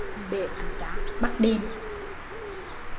Làm bể bánh tráng, bắt đền!